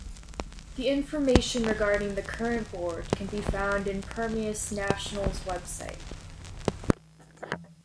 The information regarding the current board can be found in Permias National's website.